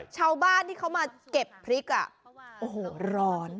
ชาวบ้านที่เขามาเก็บพริกอ่ะโอ้โหร้อน